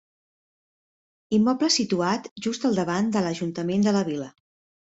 Immoble situat just al davant de l'Ajuntament de la vila.